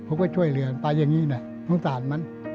พวกเขาช่วยเรือนไปอย่างนี้น่ะโทษสาธิ์มัน